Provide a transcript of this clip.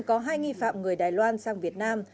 có hai nghi phạm người đài loan sang việt nam